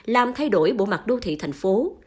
làm thay đổi bộ mặt đô thị thành phố